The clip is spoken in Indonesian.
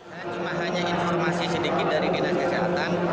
saya cuma hanya informasi sedikit dari dinas kesehatan